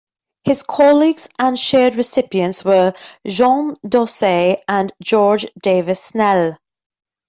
His colleagues and shared recipients were Jean Dausset and George Davis Snell.